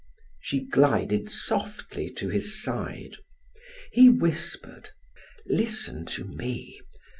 She glided softly to his side. He whispered: "Listen to me.